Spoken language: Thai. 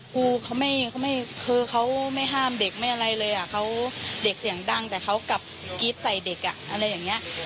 คือเค้าไม่ห้ามเด็กไม่อะไรเลยอ่ะเด็กเสียงดังแต่เค้ากรี๊ดใส่เด็กอ่ะ